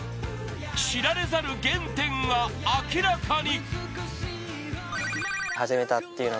知られざる原点が明らかに。